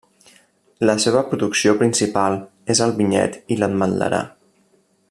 La seva producció principal és el vinyet i l'ametlerar.